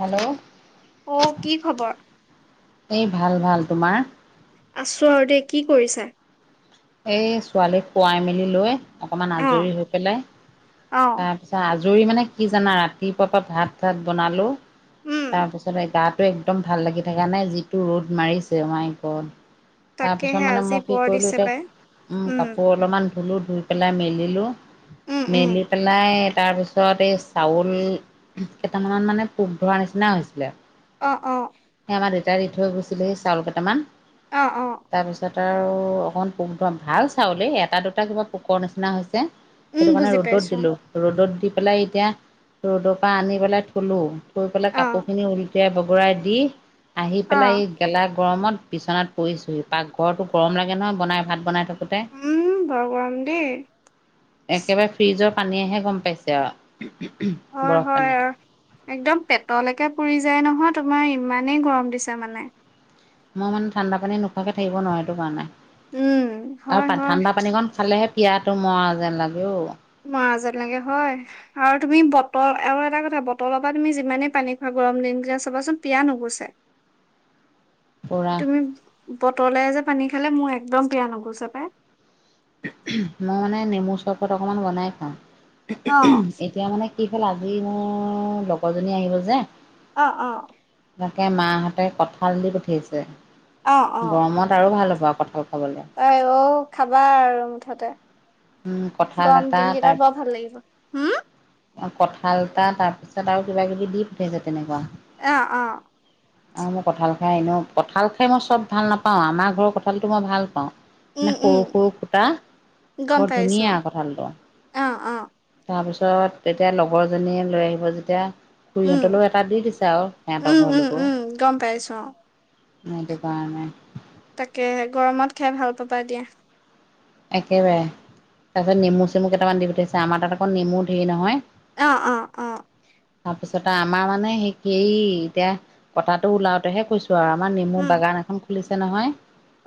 Hello অহ, কি খবৰ? এই ভাল -ভাল তোমাৰ? আছো আৰু দে কি কৰিছা? এই ছোৱালীক শুৱাই মেলি লৈ অকমান আজৰি অ', হৈ পেলাই অ', তাৰপিছত আজৰি মানে কি জানা ৰাতিপুৱাৰ পৰা ভাত - ছাত বনালো উম, তাৰপিছত এই গাত টো একদম ভাল লাগি থাকা নাই যিটো ৰ'দ মাৰিছে আমাইগড। তাকেহে তাৰপিছত মানে আজি মই কি বৰ কৰিলো দিছে এতিয়া পাই, উম, কাপোৰ অলপমান ধুলো ধুই পেলাই মেলিলো উম, উম, মেলি পেলাই তাৰ পিছত এই চাউল কেইটামানত মানে পোক ধৰা নিচিনা হৈছিলে অ', - অ', সেই আমাৰ দেউতাই দি থৈ গৈছিলে সি চাউল কেইটামান। অ', - অ', তাৰ অকণ পোক [unintelligible] ভাল চাউলেই এটা -দুটা কিবা পোকৰ নিচিনা হৈছে। উম, সেইটো কাৰণে বুজি ৰ'দত পাইছোঁ। দিলো ৰ'দত দি পেলাই এতিয়া ৰ'দৰ পৰা আনি পেলাই থলো থৈ পেলাই অ', কাপোৰ খিনি উলটিয়াই ব ঘুৰাই দি আহি পেলাই অ', গেলা গৰমত বিছনাত পৰিছোহি পাকঘৰতো গৰম লাগে নহয় ভাত বনাই থাকো উম, বৰ গৰম দেই, [unintelligible] একেবাৰে ফ্ৰিজত পানীয়েহে গম পাইছে আৰু হয়, বৰফ হয়, পানীয়ে। আৰু একদম পেটলৈকে পুৰি যায় নহয় তোমাৰ ইমানেই গৰম দিছে মানে। মই মানে ঠাণ্ডা পানী নোখোৱাকে থাকিব নোৱাৰো এইটো কাৰণে। উম, [inaudible] হয়, আৰু হয়, ঠাণ্ডা পানীকণ খালেহে পিয়াহটো মৰা যেন লাগে -অ'। মৰাযেন লাগে হয় আৰু তুমি বটল আৰু এটা কথা বটলৰ পৰা তুমি যিমানেই পানী খুৱা গৰম দিনযে চাবাচোন পিয়াহ নুগুছে। [inaudible] পুৰা [inaudible] তুমি বতলে যে পানী খালে মোৰ একদম বয়া নগোছে পাই। মই মানে নেমু চৰবত অকমান বনাই খাও অ এতিয়া মানে সিফালে আজি মোৰ লগৰজনী আহিব যে অ', - অ', তাকে মাহতে কঠাল দি পঠিয়াইছে গৰমত আৰু ভাল হ'ব আৰু কঁঠাল খাবলে আই -অঔ খাবা আৰু মুঠতে। উম, কঠাল গৰম এটা দিনকেইটাত তাত বৰ ভাল লাগিব। হুম কঠাল এটা তাত পিছত আৰু কিবা- কিবি দি পথিয়াইছে তেনেকুৱা। আহ, অহ। আৰু মই কঁঠাল খাই এনেও কঁঠাল খাই মই চব ভাল নাপাওঁ, আমাৰ ঘৰৰ কঁঠালটো মই ভাল পাওঁ। উম মানে উম সৰু -সৰু সুটা গম বৰ পাইছো ধুনীয়া কঁঠালতো। অ', - অ', তাৰপিছত তেতিয়া লগৰজনীয়ে লৈ আহিব যেতিয়া উম খুৰিহঁতলৈও এটা দি দিছে আও সিহঁতৰ উম উম ঘৰলৈকো। উম গম পাইছো অ সেইটো কাৰণে তাকে গৰমত খাই ভাল পাবা দিয়া। একেবাৰে, তাৰপিছত নেমু -চেমু কেইটামান দি পঠিয়াইছে আমাৰ তাত আকৌ নেমু ধেৰ নহয়। অ', - অ', - অ', তাৰপিছত আমাৰ মানে সেই কি এই এতিয়া কটাটো ওলাওতেহে কৈছো। আৰু আমাৰ নেমু বাগান এখন খুলিছে নহয়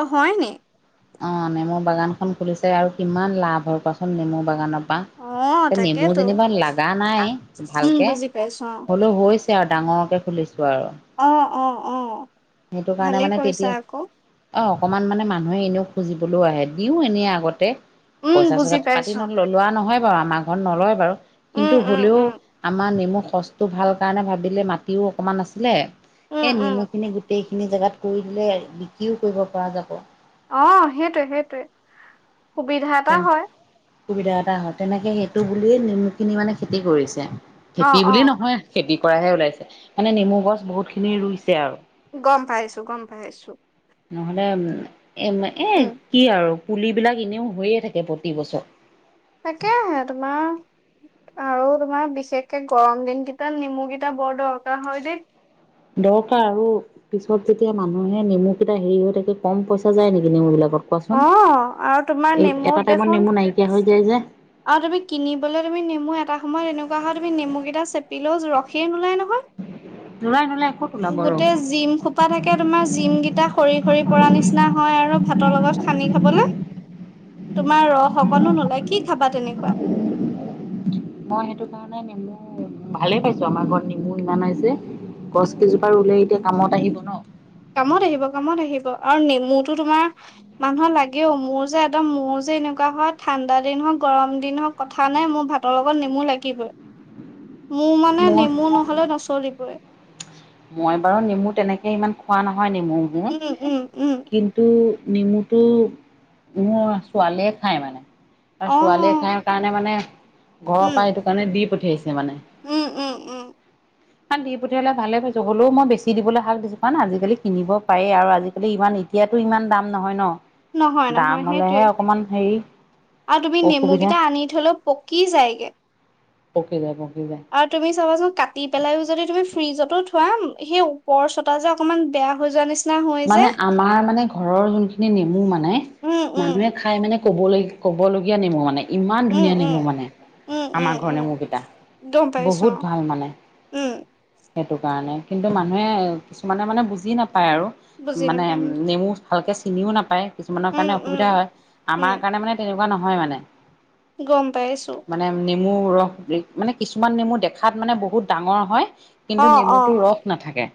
অহ, হয়নে? অহ, নেমুৰ বাগান ইখন খুলিছে আৰু কিমান লাভ হয় কোৱাচোন নেমু বাগানৰ পা অ নেমু তাকেতো যেনিবা লাগা নাই উম ভালকে বুজি পাইছো হলেও হৈছে। [unintelligible] ডাঙৰকে খুলিছো আৰু অ', - অ', - অ', সেইটো কাৰণে ভালেই মানে কৰিছা তেতিয়া আকৌ অহ, অকণমান মানে মানুহে এনেও খুজিবলৈও আহে দিওঁ এনেই আগতে উম পইচা- বুজি চইচা পাটি পাইছো। ন লোৱা নহয় বাৰু আমাৰ ঘৰত নলয় বাৰু। উম কিন্তু, উম হ'লেও উম আমাৰ নেমু খচটো ভাল কাৰণে ভাবিলে মাটিও অকমান আছিলে উম এই উম নেমু খিনি গোটেইখিনি জোগাত কৰি দিলে বিক্ৰীও কৰিব পৰা যাব। অহ, সেইটোৱে -সেইটোৱে সুবিধা এটা তেন হয়। সুবিধা এটা হয় তেনেকে সেইটো বুলিয়ে নিমুখিনি মানে খেতি কৰিছে অ খেতি অ বুলি নহয় খেতি কৰাহে ওলাইছে মানে নেমু গছ বহুত খিনি ৰুইছে আৰু। গম পাইছো- গম পাইছো। নহ'লে এ -এ উম কি আৰু পুলিবিলাক এনেও হৈয়ে থাকে প্ৰতি বছৰ। তাকে আহে তোমাৰ আৰু তোমাৰ বিশেষকে গৰম দিন কেইটাত নেমু কেইটা বৰ দৰকাৰ হয় দেই দৰকাৰ আৰু পিছত যেতিয়া মানুহে নেমু কেইটা হেৰি হৈ থাকে কম পইচা যায় নেকি নেমু বিলাকত অ চোৱাচোন আৰু তোমাৰ এই নেমুত এটা টাইমত দেখোন নেমু নাইকিয়া হৈ যায় যে আৰু তুমি কিনিবলৈ তুমি নেমু এটা সময়ত এনেকুৱা হয় তুমি নেমুকেইটা চেপিলেও ৰখে নোলাই নহয়। নোলায়- নোলায় ক'ত ওলাব। ৰ গোটেই জিম হোপা থাকে তোমাৰ জিম গিতা সৰি - সৰি পৰা নিচিনা হয় আৰু ভাতৰ লগত সানি খাব [unintelligible] তোমাৰ ৰস অকনো নোলায় কি খাবা তেনেকুৱা? মই সেইটো কাৰণে নেমু ভালে পাইছো আমাৰ ঘৰত নেমু ইমান হৈছে। গছ কেইজোপা ৰুলে এতিয়া কামত আহিব ন'? কামত আহিব। কামত আহিব আৰু নেমুটো তোমাৰ মানুহৰ লাগেও মোৰ যে একদম মূৰ যে এনেকুৱা হয় ঠাণ্ডা দিন হওঁক গৰম দিন হওঁক কথা নাই মোৰ ভাতৰ লগত নেমু লাগিবই। [inaudible] মোৰ মানে মোৰ নেমু নহ'লে নচলিবই। মই বাৰু নেমু তেনেকে ইমান খোৱা ন হয় নেমু যে উম উম উম কিন্তু, নেমু টো মোৰ ছোৱালীয়ে খাই মানে। তাৰ অ ছোৱালীয়ে খাই কাৰণে মানে ঘৰৰ উম পা সেইটো কাৰণে দি পঠিয়াইছে। উম- উম- উম শাক দি পঠিয়ালে ভালে পাইছোঁ। চ' হ'লেও মই বেছি দিবলৈ শাক দিছো কাৰণ আজিকালি কিনিব পাৰেই আৰু আজিকালি ইমান এতিয়াতো ইমান দাম নহয় ন',। নহয় নহয় দাম সেইটোৱে হলেহে অকমান হেৰি আৰু তুমি অসুবিধা নেমুকেইটা আনি থলেও পকি যায়গে। পকি যাব আৰু তুমি চাবাচোন কাটি পেলাইও যদি তুমি, ফ্ৰিজতো থোৱা সেই ওপৰৰ চতা যে অকমান বেয়া হৈ যোৱা নিচি মানে আমাৰ মানে ঘৰৰ যোনখিনি নেমু মানে উম উম মানুহে খাই মানে ক'বলৈ- ক'বলগীয়া নেমু মানে। ইমান উম ধুনীয়া উম নেমু মানে উম উম আমাৰ ঘৰৰ উম নেমুকেইটা গম পাইছো বহুত অ ভাল মানে। উম, [inaudible] সেইটো কাৰণে কিন্তু, মানুহে কিছুমানে মানে বুজি নাপায় আৰু বুজি মানে নাপাম। নেমু ভালকে চিনিও নাপায় কিছুমানৰ উম, কাৰণে উম, অসুবিধা হয়, উম, আমাৰ কাৰণে মানে তেনেকুৱা নহয় মানে। গম পাইছো। মানে নেমু ৰস মানে কিছুমান নেমু দেখাত মানে বহুত ডাঙৰ হয় কিন্তু, অ', অ', নেমুটো ৰস নাথাকে।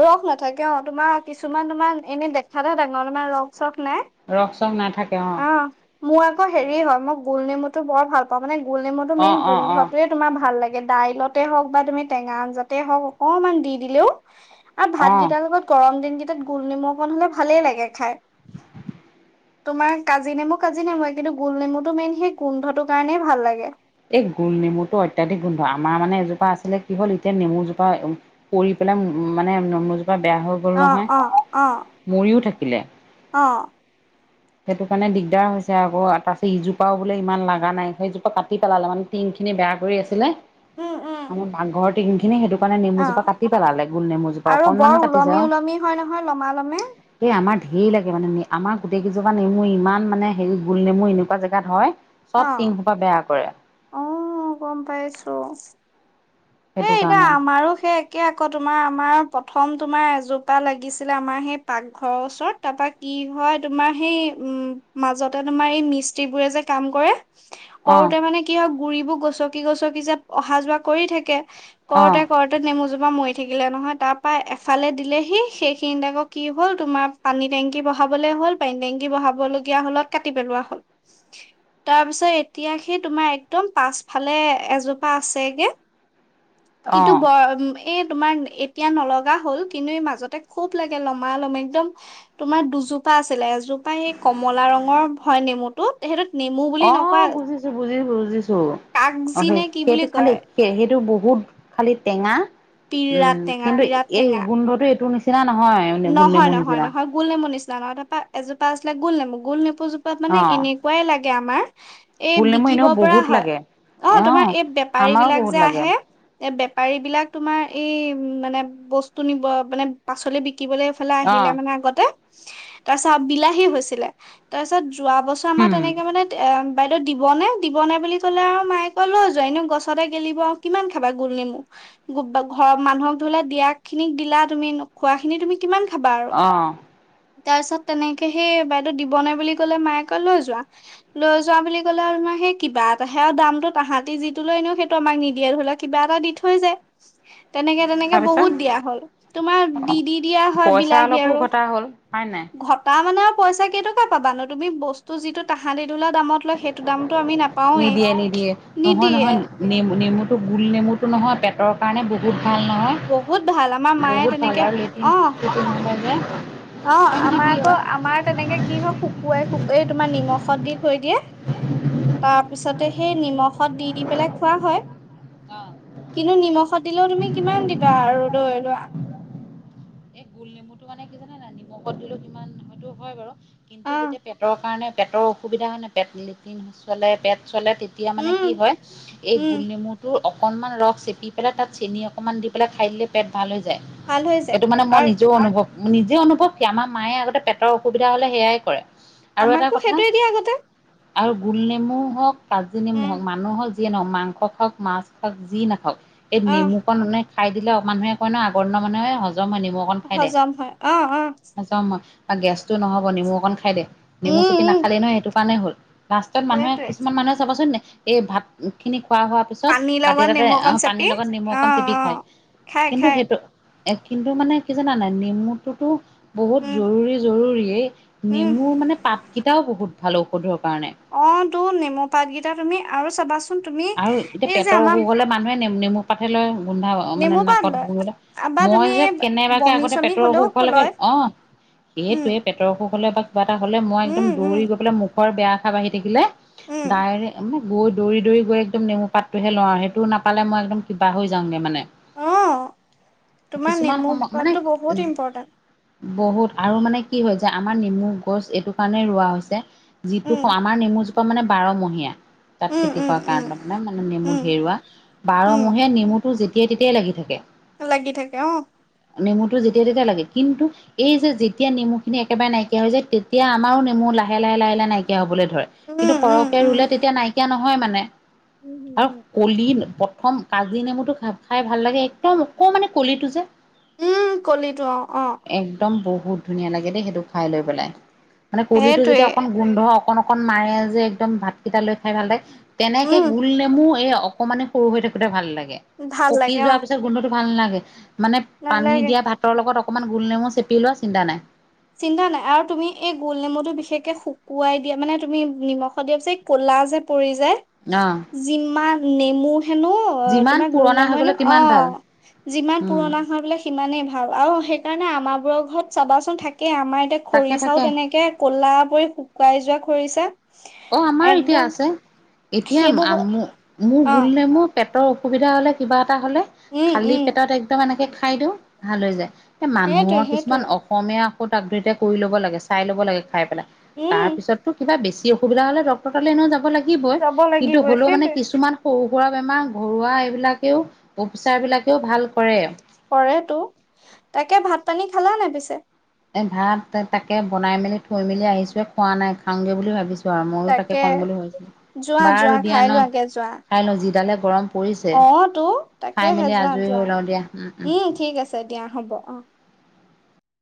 ৰস নাথাকে অ' তোমাৰ কিছুমান তোমাৰ এনেই দেখাতহে ডাঙৰ তোমাৰ ৰস- চখ নাই ৰস চস নাথাকে অ অহ মোৰ আকৌ হেৰি হয় মই গুল নেমুটো বৰ ভাল পাওঁ মানে গুলনেমুটো অ মেইন অ অ গোন্ধটোৱে তোমাৰ ভাল লাগে। দাইলতে হওক বা তুমি টেঙা আঞ্জাতে হওঁক অকনমান দি দিলো আৰু অ ভাত গিদাৰ লগত গৰম দিন কেইটাত গুল নিমখ কণ হলে ভালেই লাগে খাই। তোমাৰ কাজি নেমু কাজি নেমুুৱে কিন্তু, গুল নেমুটো মেইন সেই গোন্ধটোৰ কাৰণেই ভাল লাগে। এই গুল নেমুটো অত্যাধিক গোন্ধ। আমাৰ মানে এজোপা আছিলে কি হ'ল এতিয়া নেমু জোপা পৰি লে মানে নমমোজোপা বেয়া হৈ গ'ল অ', নহয় অ', অ', মৰিও থাকিলে। অ', সেইটো কাৰণে দিগদাৰ হৈছে আকৌ তাৰছ ইজোপাও বোলে ইমান লাগা নাই সেইজোপা কাটি পেলালে মানে তিন খিনি বেয়া কৰি আছিলে উম, উম। আমাৰ পাকঘৰৰ টিনখিনি সেইটো মানে অ নেমুজোপা কাটি পেলালে গুল নেমু জোপা আৰু অকনমান বৰ কাটি ওলমি ওলমি হয় নহয় লমালমে যে এই আমাৰ ধেৰ লাগে মানে আমাৰ গোটেই কেইজোপা নেমু ইমান মানে হেৰি গুল নেমু এনেকুৱা জেগাত হয় চব তিংখোপা বেয়া কৰে। অহ, গম পাইছো। সেইটো এই এতিয়া কাৰণে আমাৰো সেই একে আকৌ তোমাৰ আমাৰ পথ প্ৰথম তোমাৰ এজোপা লাগিছিলে আমাৰ সেই পাকঘৰৰ ওচৰত তাৰ পা কি হয় তোমাৰ সেই উম, মাজতে তোমাৰ এই মিস্ত্ৰী বোৰে যে কাম কৰে অ কৰোতে মানে কি হয় গুৰিবোৰ গছকি -গছকি যে অহা যোৱা কৰি থাকে অ কৰতে -কৰতে নেমুজোপ মৰি থাকিলে নহয়, তাৰ পৰা এফালে দিলেহি সেইখিনিতে আকৌ কি হ'ল তোমাৰ পানী টেংকি বহা বহাবলে হ'ল পাইনটেংকি বহাবলগীয়া হলত কাটি পেলোৱা হ'ল। [inaudible] তাৰ পিছত এতিয়া সি তোমাৰ একদম পাছফালে এজোপা আছেগে অ কিন্তু ব এই তোমাৰ এতিয়া নলগা হ'ল কিন্তু এই মাজতে খুব লাগে লমা - লম একদম তোমাৰ দু জোপা আছিলে এজোপা সেই কমলা ৰঙৰ হয় নেমুটো সেইটো অ', বুজিছো -বুজিছো -বুজিছো অহ কাগজি নে সেই- কি বুলি সেইটো খালি কয় সেইটো ব বহুত খালি টেঙা বিৰাট উম টেঙা কিন্তু বিৰাট এই টেঙা গোন্ধটো এইটোৰ নিচিনা। নহয় গোল নহয় নেমুৰ -নহয় নিচিনা -নহয় গোল নেমু নিচিনা নহয় তাপা এজোপা আছিলে গোল নেমু -গোল নেমু- সৌজোপাত মানে অ এনেকুৱাই লাগে আমাৰ এই গোল নেমু বিকিব এনেও পৰা বহুত হয় লাগে অ' তোমাৰ এই বেপাৰী আমাৰো বিলাক বহুত যে লাগে আহে এ বেপাৰী বিলাক তোমাৰ এই উম মানে বস্তু নিব মানে পাচলি বি থাকিবলৈ এইফালে অ আহিলে মানে আগতে তাৰপিছত বিলাহী হৈছিলে তাৰছত যোৱা বছৰ আমাৰ উম তেনেকে মানে এ বাইদেউ দিবনে -দিবনে বুলি ক'লে আৰু মায়ে কয় লৈ যোৱা এনো গছতে গেলিব আৰু কিমান খাবা গোল নমু। ঘৰৰ মানুহক ধৰিলা দিয়া খিনিক দিলা তুমি খোৱা খিনি তুমি কিমান অহ তাৰ পিছত তেনেকে সেই বাইদেউ দিব নে বুলি কলে মায়ে কয় লৈ যোৱা- লৈ যোৱা বুলি ক'লে আৰু সেই কিবা এটাহে আৰু দামটো তাহাতি যিটো লয় এনও সেইটো আমাক নিদিয়ে ধৰি লোৱা কিবা এটা দি থৈ যায়। [inaudible] তেনেকে- তেনেকে তাৰপিছত বহুত দিয়া হল তোমাৰ অ দি -দি দিয়া হয় পইচা বিলাহী অলপো আৰু ঘটা হ'ল হয় নাই ঘটা মানে পইছা কেই টকা পাবা নো তুমি বস্তু যিটো তাহাতি [inaudible] নিদিয়ে- নিদিয়ে, নহয় নিদিয়ে -নহয় নেমু -নেমুটো গুল নেমু মুতো নহয় পেটৰ কাৰণে বহুত ভাল নহয়? বহুত ভাল আমাৰ মায়ে বহুত ভাল তেনেকে আৰু অ'। [unintelligible] অ আৰু মানে আমাৰ কি হয় আকৌ আমাৰ তেনেকে কি হ শুকুৱাই শুকেই তোমাৰ নিমখত দি থৈ দিয়ে। তাৰপিছতে সেই নিমখত দি দি পেলাই খোৱা হয়। অ কিন্তু নিমখত দিলেও তুমি কিমান দিবা আৰু ধৰি লোৱা। এই গোল নেমুটো মানে কি জানে না নিমখত দিলো কিমান হয়টো হয় বাৰু। কিন্তু আহ যেতিয়া পেটৰ কাৰণে পেটৰ অসুবিধা হয় নাই। পেট লেট্ৰিন চলে পেট। চলে তেতিয়া মানে কি উম হয় এই গোল উম নেমুটো অকনমান ৰস চেপি পেলাই তাত চেনি অকমান দি পেলাই খাই দিলে পেট ভাল হৈ যায়। ভাল হৈ যায় সেইটো মানে মই আৰু নিজেও অনুভৱ নিজেও অনুভৱ কি আমাৰ মায়ে আগতে পেটৰ অসুবিধা হ'লে সেয়াই কৰে। আৰু এটা আমাকো কথা সেইটোৱে দিয়ে আগতে। আৰু গোলনেমু হওক কাজি নেমু উম হওক মানুহৰক যিয়ে নহওক মাংস খাওক মাছ খাক যি নাখাওক এই আহ নেমু কন মানে খাই দিলে অ মানুহে কয় ন আগৰ দিনৰ মানুহে সজ যম হয় নিমখ অকণ খাই দে। হজম হয় অ অ সযম হয় বা গেছটো নহব নেমু অকণ খাই দে। নেমু উম চেপি উম নাখালে নহয় সেইটো কাৰণে হ'ল। লাষ্টত মানুহে সেইটোৱে কিছুমান মানুহে চাবচোন নে এই ভাত খিনি খোৱা হোৱা পিছত পানীৰ বাতি লগত এতাতে নেমু অকণ আহ চেপি পানীৰ লগত নেমু অ অকণ চিপি অ খায়। খাই কিন্তু খাই সেইটো এ কিন্তু মানে কি জানা নাই নেমুতোতো বহুত উম জৰুৰী জৰুৰীয়ে। উম নেমুৰ মানে পাতকিটাও বহুত ভাল ঔষধৰ। কাৰণে অ তো নেমু পাতকিটা তুমি আৰু চাবাচোন। তুমি আৰু এতিয়া এই যে পেটৰ আমাৰ অসুখ হলে মানুহে নেমু নেমু পাতহে লয়। গোন্ধাব মানে নেমু পাত নাকত। লয় বা তুমি মই যে এই কেনেবাকে বমি আগতে চমি পেটৰ হলেও অসুখলৈকে লয় অ। উম সেটোয়ে পেটৰ অসুখ হলে বা। কিবা এটা হলে মই উম একদম উম দৌৰি গৈ পেলাই মুখৰ বেয়া আশা বাঢ়ি থাকিলে উম ডাইৰে মই গৈ দৌৰি দৌৰি গৈ একদম নেমু পাতটোহে লওঁ আও। সেইটোও নাপালে মই একদম কিবা হৈ যাংগে মানে। অ তোমাৰ কিছুমান নেমু সময় মানে। পাতটো বহুত ইম্পৰ্টেণ্ট বহুত আৰু মানে কি হয় যে আমাৰ নেমু গছ এইটো কাৰণে ৰোৱা হৈছে। যিটো উম আমাৰ নেমুজোপা মানে বাৰমহীয়া তাত উম খেতি উম কৰা। উম কাৰণ তাৰ মানে মানে নেমু উম ধেই ৰুৱা। উম বাৰমহীয়া নেমুটো যেতিয়াই তেতিয়াই লাগি থাকে। লাগি থাকে অ। নেমুটো যেতিয়া তেতিয়া লাগে কিন্তু এই যেতিয়া নেমু খিনি একেবাৰে নাইকিয়া হৈ যায় তেতিয়া আমাৰো নেমু লাহে লাহে লাহে লাহে নাইকিয়া হবলে ধ- ধৰে। উম কিন্তু উম সৰহকে উম ৰুলে তেতিয়া নাইকিয়া নহয় মানে উম আৰু হুম কলি প্ৰথম কাজি নেমুটো খা খাই ভাল লাগে একদম। অকমানি কলিটো যে। উম কলিতো অ অ। একদম বহুত ধুনীয়া লাগে দেই সেইটো খাই লৈ পেলাই। মানে কলিটো সেইটোৱে যেতিয়া অকণ গোন্ধ অকণ অকণ অকন মাৰে যে একদম ভাতকেইটা লৈ খাই ভাল লাগে। তেনেকে উম গোল নেমু এই অকমানে সৰু হৈ থাকোতে ভাল লাগে। ভাল পকি লাগে অ যোৱাৰ পিছত গোন্ধটো ভাল নালাগে। মানে পানী নালাগে দিয়া ভাতৰ লগত অকণমান গোল নেমু চেপি লোৱা চিন্তা নাই। চিন্তা নাই আৰু তুমি এই গোল নেমুটো বিশেষকে শুকুৱাই দিয়া মানে। তুমি নিমখ দিয়া পিচে কলা। লা যে পৰি যে। অ যিমান নেমু হেনো অ যিমান তোমাৰ গোল পুৰণা নেমু হৈ হেনো গ'লে অ। তিমান ভাল যিমান উম পুৰণা হয় বোলে সিমানেই ভাল আৰু সেই সেইকাৰণে আমাৰ বোৰৰ ঘৰত চাবাচোন থাকেই। আমাৰ এতিয়া খৰি তাকে চাও তাকে তেনেকে ক'লা কৰি শুকাই যোৱা খৰিছে অ আমাৰ এতিয়া আছে। এতিয়া সেইবোৰ আম মু মূ্ মো গোল অ' নেমু পেট টৰ অসুবিধা হলে কিবা এটা হলে, উম, খালি উম, পেটত একদম এনেকে খাই দিওঁ ভাল হৈ যায়। এ সেইটোৱে মানুহৰ সেইটোৱে কিছুমান অসমীয়া ঔষধ আপগ্ৰেদে কৰি ল'ব লাগে। চাই ল'ব লাগে খাই পেলাই। উম, তাৰ পিছতো কিবা বেছি অসুবিধা হলে ডক্তৰ তালে এনেও যাব লাগ- গিবই। যাব কিন্তু লাগিবই হ'লেও মানে সেইটোৱে কিছুমান সৰু সুৰা বেমাৰ ঘৰুৱা এইবিলাকেও উপচাৰ বিলাকেও ভাল কৰে। কৰে তো তাকে ভাত পানী খালা নাই পিছে? এ ভাত তাকে বনাই মেলি থৈ মেলি আহিছোহে খোৱা নাই খাওগে বুলি ভাবিছো। চোৱা মইও তাকে কম বুলি ভাবছিলো যোৱা বাৰু যোৱা দিয়া খাই ন'খাই লওঁ যিডালে গৰম পৰিছে অ'তো খাই তাকেহে মেলি আজৰি যোৱা-যোৱা হৈ লওঁ দিয়া উম ঠিক আছে দিয়া। হ'ব অ',।